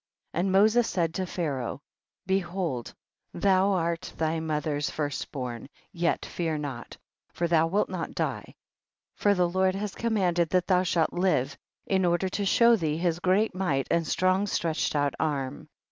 57. And Moses said to Pharaoh, behold though thou art thy mother's * The former Pharaoh. 16 first born,* yet fear not, for thou wilt not die, for the Lord has command ed that thou shalt live, in order to show thee his great might and strong stretched out arm, 58.